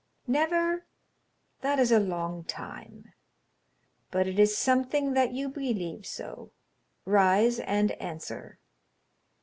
"Never? That is a long time; but it is something that you believe so. Rise and answer."